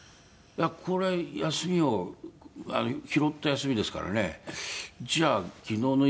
これ休みを拾った休みですからねじゃあ昨日の犬